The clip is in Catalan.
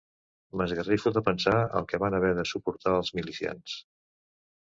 M'esgarrifo de pensar el que van haver de suportar els milicians